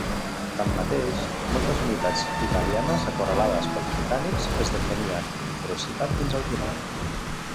Tanmateix, moltes unitats italianes acorralades pels britànics es defenien amb ferocitat fins al final.